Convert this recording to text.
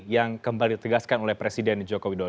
yang kembali ditegaskan oleh presiden jokowi